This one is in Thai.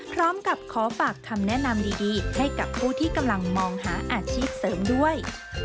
พร้อมกับขอฝากคำแนะนำดีให้กับผู้ที่กำลังมองหาอาชีพเสริมด้วย